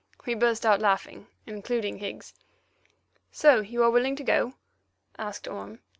We burst out laughing, including Higgs. "So you are willing to go?" said Orme.